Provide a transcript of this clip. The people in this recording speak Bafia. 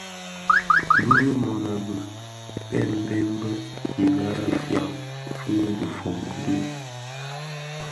Bi mënōbi a Mbembe innë fyan fi dhifombi di.